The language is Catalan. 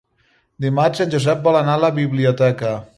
Dimarts en Josep vol anar a la biblioteca.